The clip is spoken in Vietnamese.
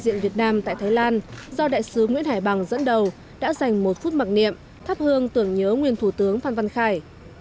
đại diện việt nam tại thái lan do đại sứ nguyễn hải bằng dẫn đầu đã dành một phút mặc niệm thắp hương tưởng nhớ nguyên thủ tướng phan văn khải